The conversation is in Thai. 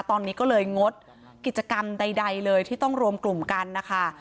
ตอนนี้ก็เลยงดกิจกรรมใดเลยที่ต้องรวมกลุ่มกันนะคะ